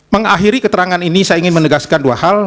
mengakhiri keterangan ini saya ingin menegaskan dua hal